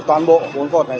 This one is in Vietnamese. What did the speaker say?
toàn bộ bốn cột này